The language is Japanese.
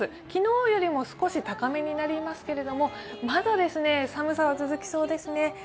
昨日よりも少し高めになりますけれどまだ寒さは続きそうですね。